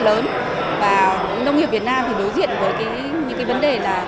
doanh nghiệp việt nam thì đối diện với những cái vấn đề là